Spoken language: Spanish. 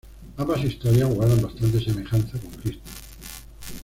Ambas historias guardan bastantes semejanzas con Cristo.